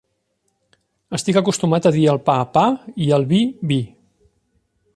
Estic acostumat a dir al pa, pa, i al vi, vi.